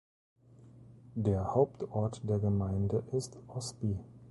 Der Hauptort der Gemeinde ist Osby.